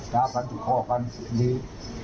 ท่ากันสิเดี๋ยวดี